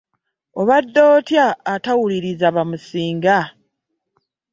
Obadde otya atawuliriza bamusinga?